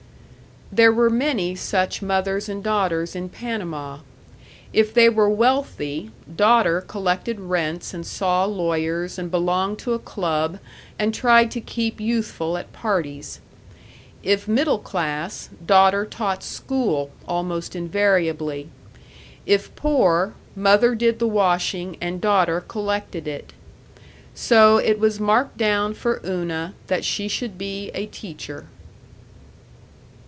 There were many such mothers and daughters in Panama. If they were wealthy, daughter collected rents and saw lawyers and belonged to a club and tried to keep youthful at parties. If middle class, daughter taught school, almost invariably. If poor, mother did the washing and daughter collected it. So it was marked down for Una that she should be a teacher.